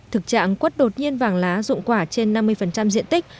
thực trạng quất đột nhiên vàng lá dụng quả trên năm mươi diện tích